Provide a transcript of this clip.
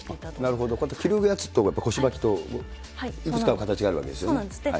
なるほど、着るやつと、腰巻きと、いくつかの形があるわけなんですね。